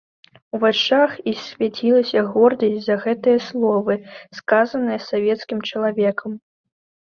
У вачах іх свяцілася гордасць за гэтыя словы, сказаныя савецкім чалавекам.